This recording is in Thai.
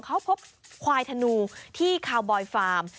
เขาพบควายธนูที่คาวบอยฟาร์ม